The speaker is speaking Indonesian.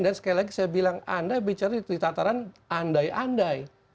dan sekali lagi saya bilang anda bicara di tata tata andai andai